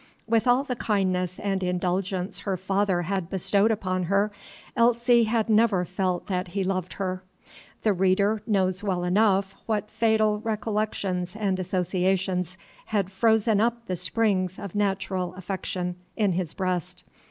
With all the kindness and indulgence her father had bestowed upon her, Elsie had never felt that he loved her. The reader knows well enough what fatal recollections and associations had frozen up the springs of natural affection in his breast.